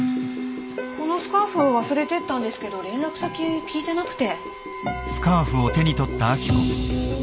このスカーフ忘れてったんですけど連絡先聞いてなくて。